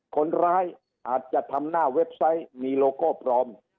คนร้ายอาจจะทำหน้าเว็บไซต์มีโลโก้ปลอม